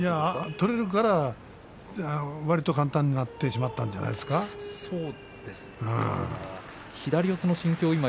取れるから、わりと簡単になってしまったんじゃないかな。